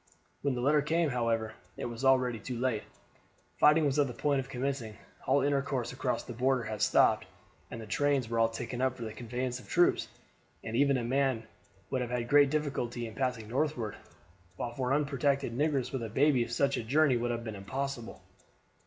When the letter came, however, it was already too late. Fighting was on the point of commencing, all intercourse across the border was stopped, the trains were all taken up for the conveyance of troops, and even a man would have had great difficulty in passing northward, while for an unprotected negress with a baby such a journey would have been impossible.